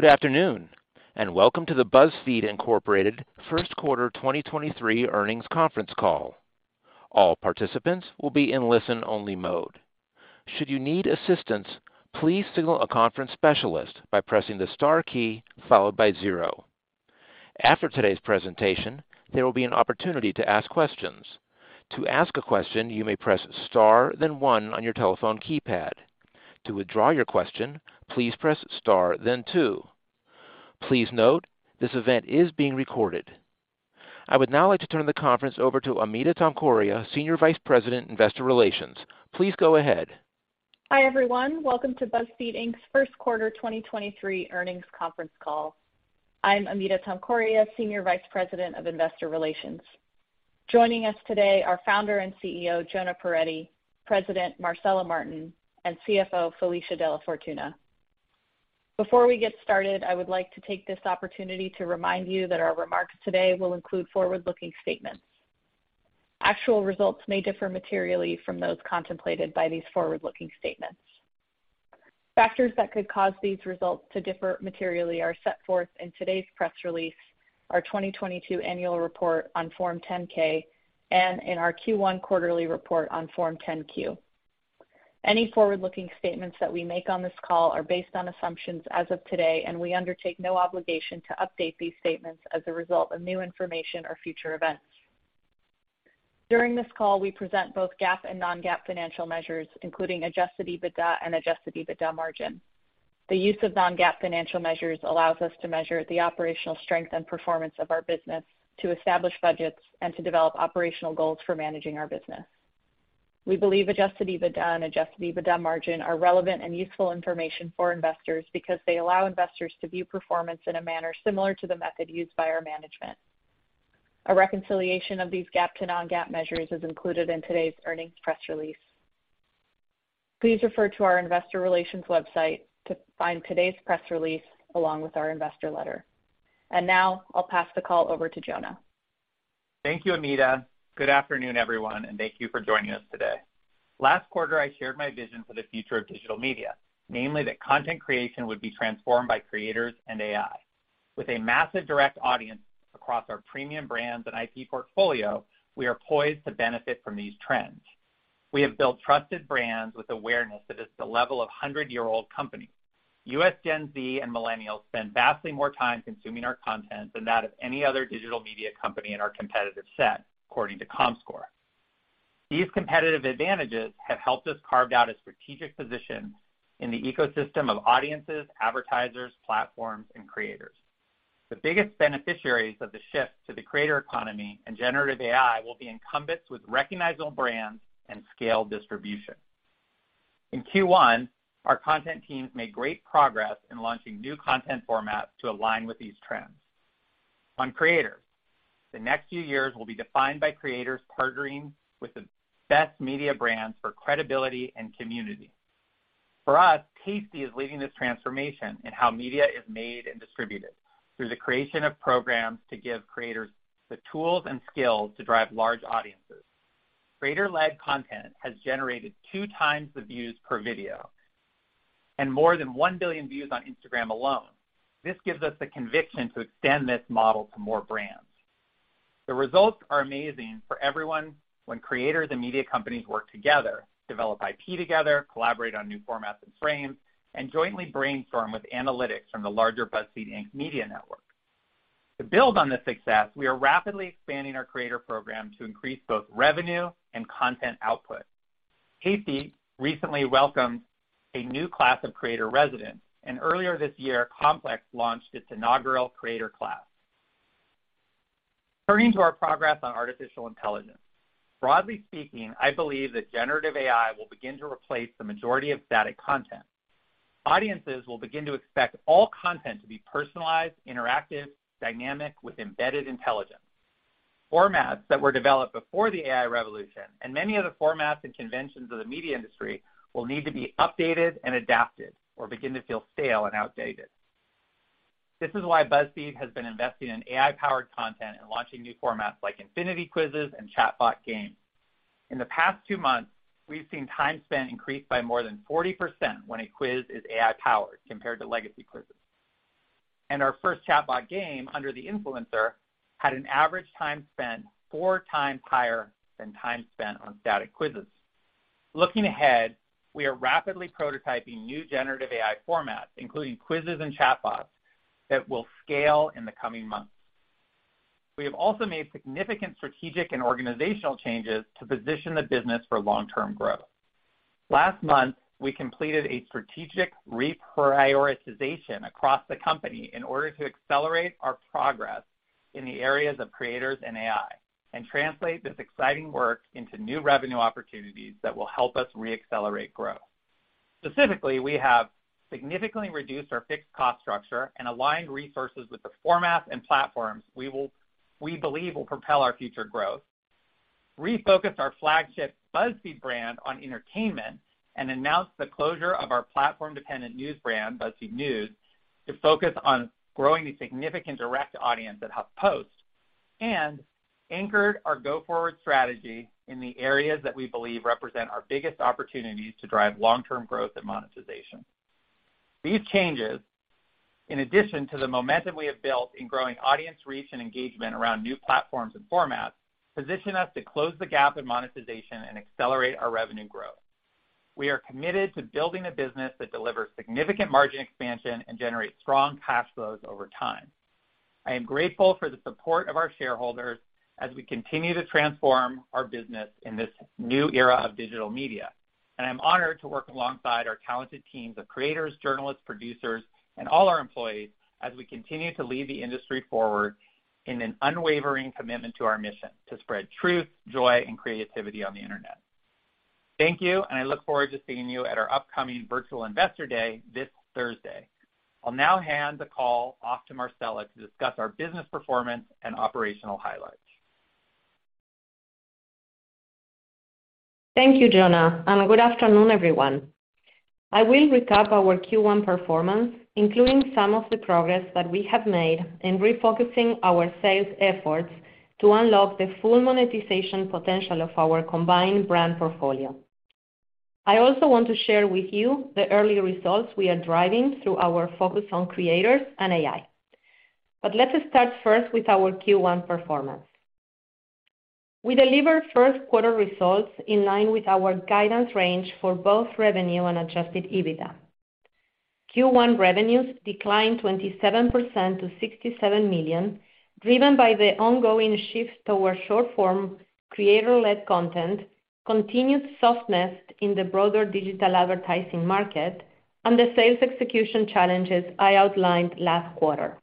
Good afternoon, and welcome to the BuzzFeed, Inc. First Quarter 2023 earnings conference call. All participants will be in listen-only mode. Should you need assistance, please signal a conference specialist by pressing the star key followed by zero. After today's presentation, there will be an opportunity to ask questions. To ask a question, you may press star, then one on your telephone keypad. To withdraw your question, please press star then two. Please note, this event is being recorded. I would now like to turn the conference over to Amita Tomkoria, Senior Vice President, Investor Relations. Please go ahead. Hi, everyone. Welcome to BuzzFeed, Inc.'s First Quarter 2023 earnings conference call. I'm Amita Tomkoria, Senior Vice President of Investor Relations. Joining us today are Founder and CEO, Jonah Peretti, President Marcela Martin, and CFO, Felicia DellaFortuna. Before we get started, I would like to take this opportunity to remind you that our remarks today will include forward-looking statements. Actual results may differ materially from those contemplated by these forward-looking statements. Factors that could cause these results to differ materially are set forth in today's press release, our 2022 annual report on Form 10-K, and in our Q1 quarterly report on Form 10-Q. Any forward-looking statements that we make on this call are based on assumptions as of today. We undertake no obligation to update these statements as a result of new information or future events. During this call, we present both GAAP and non-GAAP financial measures, including Adjusted EBITDA and Adjusted EBITDA margin. The use of non-GAAP financial measures allows us to measure the operational strength and performance of our business, to establish budgets and to develop operational goals for managing our business. We believe Adjusted EBITDA and Adjusted EBITDA margin are relevant and useful information for investors because they allow investors to view performance in a manner similar to the method used by our management. A reconciliation of these GAAP to non-GAAP measures is included in today's earnings press release. Please refer to our investor relations website to find today's press release along with our investor letter. Now I'll pass the call over to Jonah. Thank you, Amita. Good afternoon, everyone, and thank you for joining us today. Last quarter, I shared my vision for the future of digital media, namely that content creation would be transformed by creators and AI. With a massive direct audience across our premium brands and IP portfolio, we are poised to benefit from these trends. We have built trusted brands with awareness that is the level of 100-year-old company. U.S. Gen Z and Millennials spend vastly more time consuming our content than that of any other digital media company in our competitive set, according to Comscore. These competitive advantages have helped us carve out a strategic position in the ecosystem of audiences, advertisers, platforms, and creators. The biggest beneficiaries of the shift to the creator economy and generative AI will be incumbents with recognizable brands and scaled distribution. In Q1, our content teams made great progress in launching new content formats to align with these trends. On creators, the next few years will be defined by creators partnering with the best media brands for credibility and community. For us, Tasty is leading this transformation in how media is made and distributed through the creation of programs to give creators the tools and skills to drive large audiences. Creator-led content has generated 2x the views per video and more than 1 billion views on Instagram alone. This gives us the conviction to extend this model to more brands. The results are amazing for everyone when creators and media companies work together, develop IP together, collaborate on new formats and frames, and jointly brainstorm with analytics from the larger BuzzFeed, Inc. media network. To build on this success, we are rapidly expanding our creator program to increase both revenue and content output. Tasty recently welcomed a new class of creator residents. Earlier this year, Complex launched its inaugural creator class. Turning to our progress on artificial intelligence. Broadly speaking, I believe that generative AI will begin to replace the majority of static content. Audiences will begin to expect all content to be personalized, interactive, dynamic, with embedded intelligence. Formats that were developed before the AI revolution and many of the formats and conventions of the media industry will need to be updated and adapted or begin to feel stale and outdated. This is why BuzzFeed has been investing in AI-powered content and launching new formats like Infinity Quizzes and chatbot games. In the past two months, we've seen time spent increase by more than 40% when a quiz is AI powered compared to legacy quizzes. Our first chatbot game, Under the Influencer, had an average time spent 4x higher than time spent on static quizzes. Looking ahead, we are rapidly prototyping new generative AI formats, including quizzes and chatbots that will scale in the coming months. We have also made significant strategic and organizational changes to position the business for long-term growth. Last month, we completed a strategic reprioritization across the company in order to accelerate our progress in the areas of creators and AI and translate this exciting work into new revenue opportunities that will help us re-accelerate growth. Specifically, we have significantly reduced our fixed cost structure and aligned resources with the formats and platforms we believe will propel our future growth. Refocused our flagship BuzzFeed brand on entertainment, and announced the closure of our platform-dependent news brand, BuzzFeed News, to focus on growing the significant direct audience at HuffPost. Anchored our go forward strategy in the areas that we believe represent our biggest opportunities to drive long-term growth and monetization. These changes, in addition to the momentum we have built in growing audience reach and engagement around new platforms and formats, position us to close the gap in monetization and accelerate our revenue growth. We are committed to building a business that delivers significant margin expansion and generates strong cash flows over time. I am grateful for the support of our shareholders as we continue to transform our business in this new era of digital media. I'm honored to work alongside our talented teams of creators, journalists, producers, and all our employees as we continue to lead the industry forward in an unwavering commitment to our mission: to spread truth, joy and creativity on the Internet. Thank you, and I look forward to seeing you at our upcoming virtual Investor Day this Thursday. I'll now hand the call off to Marcela to discuss our business performance and operational highlights. Thank you, Jonah. Good afternoon, everyone. I will recap our Q1 performance, including some of the progress that we have made in refocusing our sales efforts to unlock the full monetization potential of our combined brand portfolio. I also want to share with you the early results we are driving through our focus on creators and AI. Let us start first with our Q1 performance. We delivered first quarter results in line with our guidance range for both revenue and Adjusted EBITDA. Q1 revenues declined 27% to $67 million, driven by the ongoing shift towards short-form creator-led content, continued softness in the broader digital advertising market, and the sales execution challenges I outlined last quarter.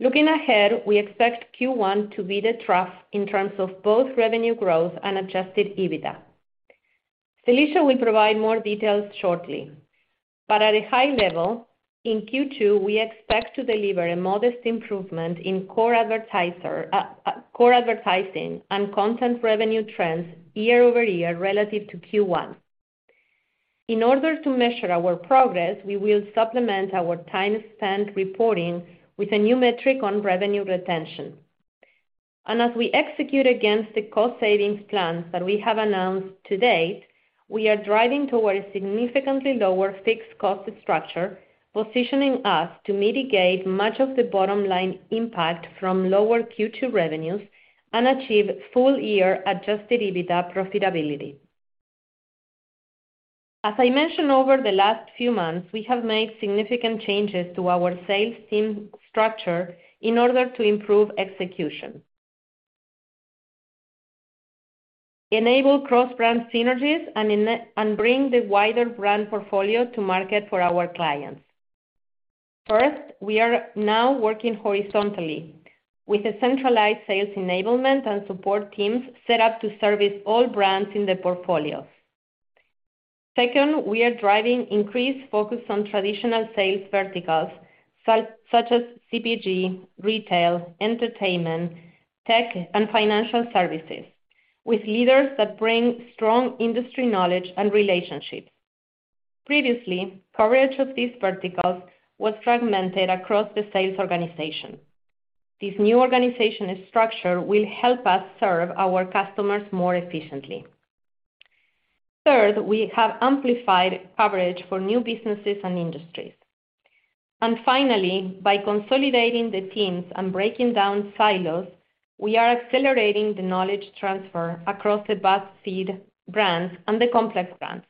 Looking ahead, we expect Q1 to be the trough in terms of both revenue growth and Adjusted EBITDA. Felicia will provide more details shortly. At a high level, in Q2, we expect to deliver a modest improvement in core advertiser, core advertising and content revenue trends year-over-year relative to Q1. In order to measure our progress, we will supplement our time spent reporting with a new metric on revenue retention. As we execute against the cost savings plans that we have announced to date, we are driving towards significantly lower fixed cost structure, positioning us to mitigate much of the bottom line impact from lower Q2 revenues and achieve full year Adjusted EBITDA profitability. As I mentioned over the last few months, we have made significant changes to our sales team structure in order to improve execution. Enable cross-brand synergies and bring the wider brand portfolio to market for our clients. First, we are now working horizontally with a centralized sales enablement and support teams set up to service all brands in the portfolio. Second, we are driving increased focus on traditional sales verticals, such as CPG, retail, entertainment, tech, and financial services with leaders that bring strong industry knowledge and relationships. Previously, coverage of these verticals was fragmented across the sales organization. This new organizational structure will help us serve our customers more efficiently. Third, we have amplified coverage for new businesses and industries. Finally, by consolidating the teams and breaking down silos, we are accelerating the knowledge transfer across the BuzzFeed brands and the Complex brands.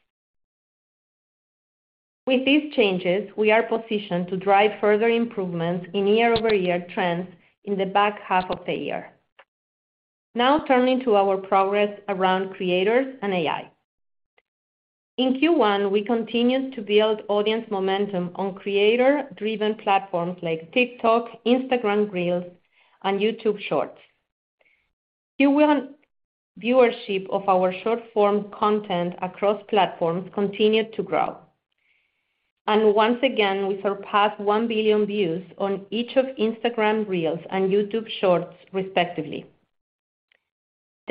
With these changes, we are positioned to drive further improvements in year-over-year trends in the back half of the year. Now turning to our progress around creators and AI. In Q1, we continued to build audience momentum on creator-driven platforms like TikTok, Instagram Reels, and YouTube Shorts. Q1 viewership of our short-form content across platforms continued to grow. Once again, we surpassed 1 billion views on each of Instagram Reels and YouTube Shorts respectively.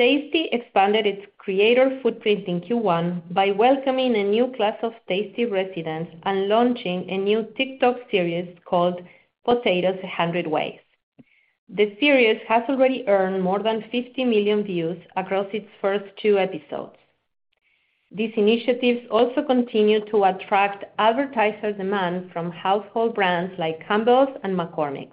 Tasty expanded its creator footprint in Q1 by welcoming a new class of Tasty residents and launching a new TikTok series called Potatoes 100 Ways. The series has already earned more than 50 million views across its first two episodes. These initiatives also continue to attract advertiser demand from household brands like Campbell's and McCormick.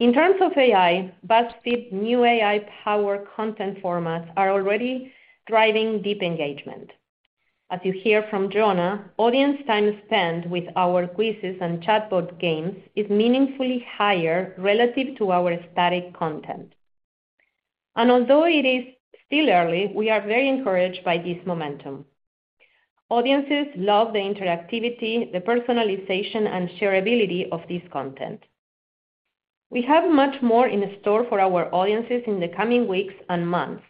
In terms of AI, BuzzFeed's new AI-powered content formats are already driving deep engagement. As you hear from Jonah, audience time spent with our quizzes and chatbot games is meaningfully higher relative to our static content. Although it is still early, we are very encouraged by this momentum. Audiences love the interactivity, the personalization, and shareability of this content. We have much more in store for our audiences in the coming weeks and months.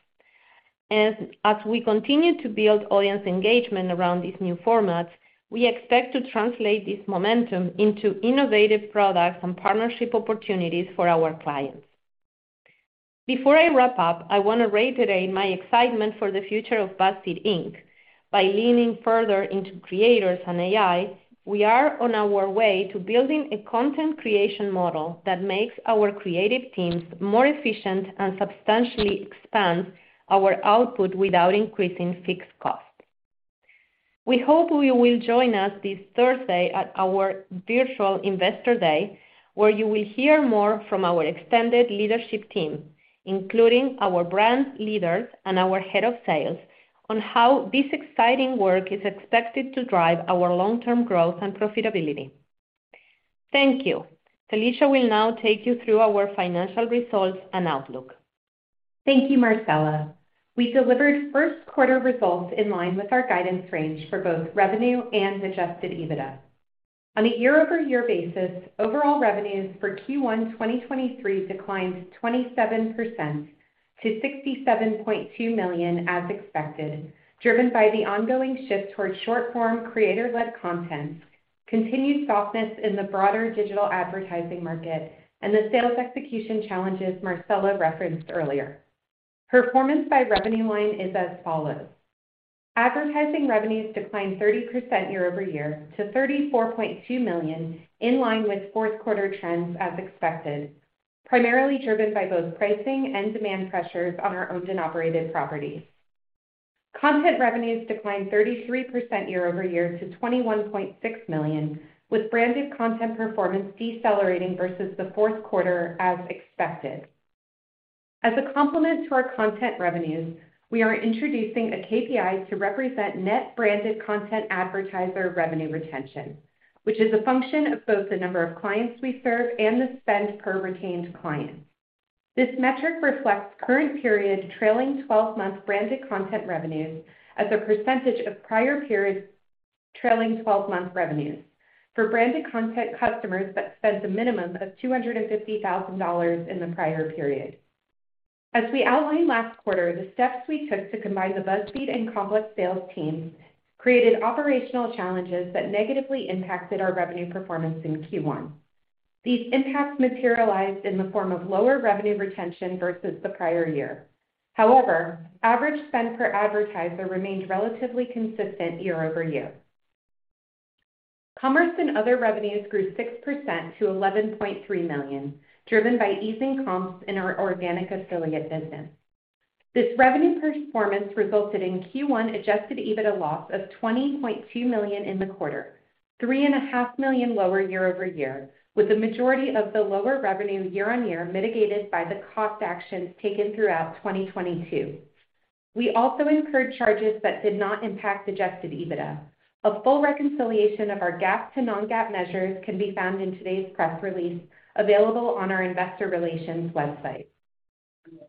As we continue to build audience engagement around these new formats, we expect to translate this momentum into innovative products and partnership opportunities for our clients. Before I wrap up, I want to reiterate my excitement for the future of BuzzFeed, Inc. By leaning further into creators and AI, we are on our way to building a content creation model that makes our creative teams more efficient and substantially expands our output without increasing fixed cost. We hope you will join us this Thursday at our virtual Investor Day, where you will hear more from our extended leadership team, including our brand leaders and our head of sales, on how this exciting work is expected to drive our long-term growth and profitability. Thank you. Felicia will now take you through our financial results and outlook. Thank you, Marcela. We delivered first quarter results in line with our guidance range for both revenue and Adjusted EBITDA. On a year-over-year basis, overall revenues for Q1 2023 declined 27% to $67.2 million, as expected, driven by the ongoing shift towards short form creator-led content, continued softness in the broader digital advertising market, and the sales execution challenges Marcela referenced earlier. Performance by revenue line is as follows. Advertising revenues declined 30% year-over-year to $34.2 million, in line with fourth quarter trends as expected, primarily driven by both pricing and demand pressures on our owned and operated properties. Content revenues declined 33% year-over-year to $21.6 million, with branded content performance decelerating versus the fourth quarter as expected. As a complement to our content revenues, we are introducing a KPI to represent net branded content advertiser revenue retention, which is a function of both the number of clients we serve and the spend per retained client. This metric reflects current period trailing twelve-month branded content revenues as a percentage of prior period trailing 12-month revenues for branded content customers that spent a minimum of $250,000 in the prior period. As we outlined last quarter, the steps we took to combine the BuzzFeed and Complex sales teams created operational challenges that negatively impacted our revenue performance in Q1. These impacts materialized in the form of lower revenue retention versus the prior year. Average spend per advertiser remained relatively consistent year-over-year. Commerce and other revenues grew 6% to $11.3 million, driven by easing comps in our organic affiliate business. This revenue performance resulted in Q1 Adjusted EBITDA loss of $20.2 million in the quarter, $3.5 million lower year-over-year, with the majority of the lower revenue year-on-year mitigated by the cost actions taken throughout 2022. We also incurred charges that did not impact Adjusted EBITDA. A full reconciliation of our GAAP to non-GAAP measures can be found in today's press release, available on our investor relations website.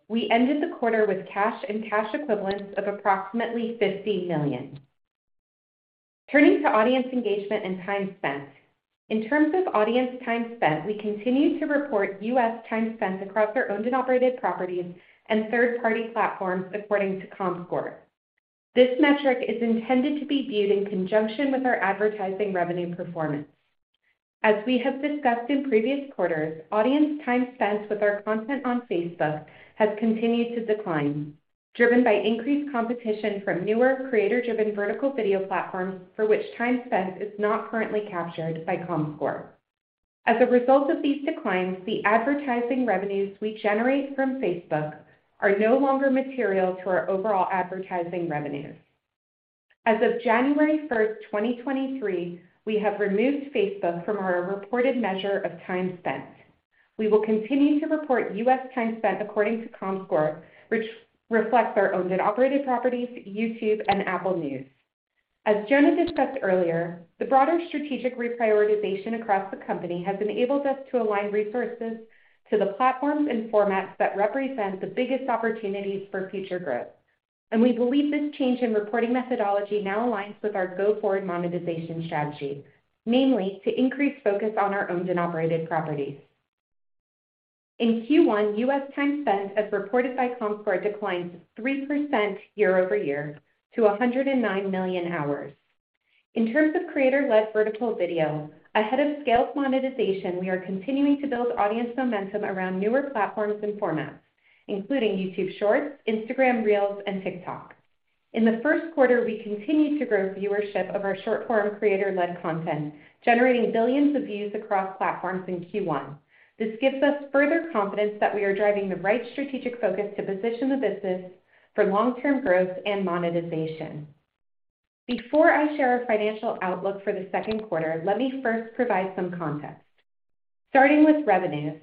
We ended the quarter with cash and cash equivalents of approximately $50 million. Turning to audience engagement and time spent. In terms of audience time spent, we continue to report U.S. time spent across our owned and operated properties and third-party platforms according to Comscore. This metric is intended to be viewed in conjunction with our advertising revenue performance. As we have discussed in previous quarters, audience time spent with our content on Facebook has continued to decline, driven by increased competition from newer creator-driven vertical video platforms for which time spent is not currently captured by Comscore. As a result of these declines, the advertising revenues we generate from Facebook are no longer material to our overall advertising revenues. As of January first, 2023, we have removed Facebook from our reported measure of time spent. We will continue to report U.S. time spent according to Comscore, which reflects our owned and operated properties, YouTube and Apple News. As Jonah discussed earlier, the broader strategic reprioritization across the company has enabled us to align resources to the platforms and formats that represent the biggest opportunities for future growth. We believe this change in reporting methodology now aligns with our go-forward monetization strategy, namely to increase focus on our owned and operated properties. In Q1, U.S. time spent as reported by Comscore declined 3% year-over-year to 109 million hours. In terms of creator-led vertical video, ahead of scaled monetization, we are continuing to build audience momentum around newer platforms and formats, including YouTube Shorts, Instagram Reels, and TikTok. In the first quarter, we continued to grow viewership of our short form creator-led content, generating billions of views across platforms in Q1. This gives us further confidence that we are driving the right strategic focus to position the business for long-term growth and monetization. Before I share our financial outlook for the second quarter, let me first provide some context. Starting with revenues.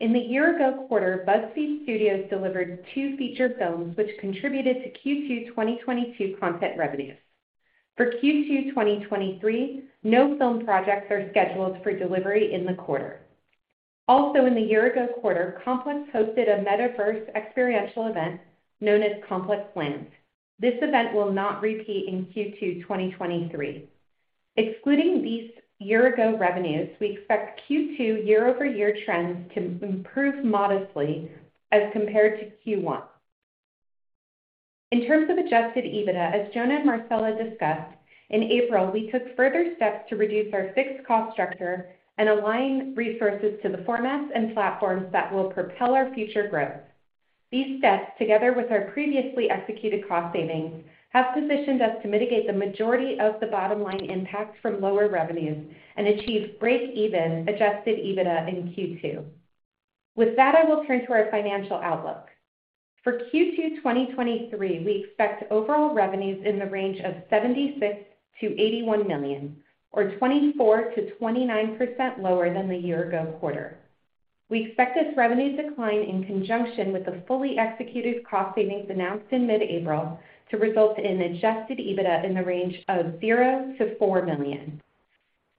In the year-ago quarter, BuzzFeed Studios delivered two feature films which contributed to Q2 2022 content revenues. For Q2 2023, no film projects are scheduled for delivery in the quarter. In the year-ago quarter, Complex hosted a metaverse experiential event known as ComplexLand. This event will not repeat in Q2 2023. Excluding these year-ago revenues, we expect Q2 year-over-year trends to improve modestly as compared to Q1. In terms of Adjusted EBITDA, as Jonah and Marcela discussed, in April, we took further steps to reduce our fixed cost structure and align resources to the formats and platforms that will propel our future growth. These steps, together with our previously executed cost savings, have positioned us to mitigate the majority of the bottom line impact from lower revenues and achieve break-even Adjusted EBITDA in Q2. I will turn to our financial outlook. For Q2 2023, we expect overall revenues in the range of $76 million-$81 million or 24%-29% lower than the year ago quarter. We expect this revenue decline in conjunction with the fully executed cost savings announced in mid-April to result in Adjusted EBITDA in the range of $0-$4 million.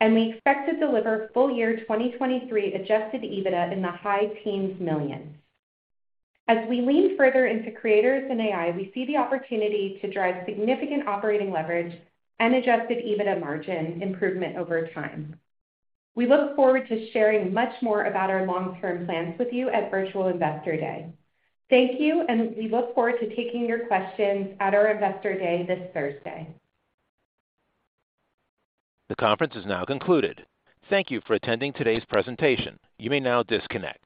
We expect to deliver full year 2023 Adjusted EBITDA in the high teens millions. As we lean further into creators and AI, we see the opportunity to drive significant operating leverage and Adjusted EBITDA margin improvement over time. We look forward to sharing much more about our long-term plans with you at Virtual Investor Day. Thank you. We look forward to taking your questions at our Investor Day this Thursday. The conference is now concluded. Thank you for attending today's presentation. You may now disconnect.